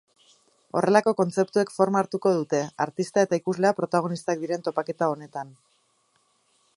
Horrelako kontzeptuek forma hartuko dute, artista eta ikuslea protagonistak diren topaketa honetan.